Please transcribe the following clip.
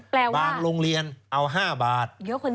บางโรงเรียนเอา๕บาท